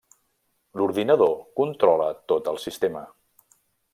L’ordinador controla tot el sistema.